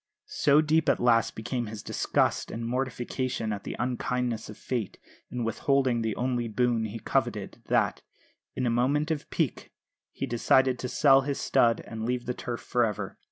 So deep at last became his disgust and mortification at the unkindness of Fate in withholding the only boon he coveted that, in a moment of pique, he decided to sell his stud and leave the turf for ever.